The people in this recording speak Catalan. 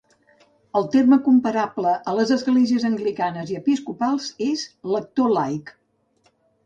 El terme comparable a les esglésies anglicanes i episcopals és "lector laic".